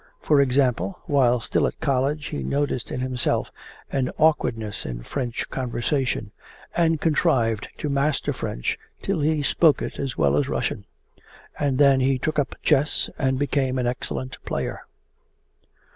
For example, while still at College he noticed in himself an awkwardness in French conversation, and contrived to master French till he spoke it as well as Russian, and then he took up chess and became an excellent player.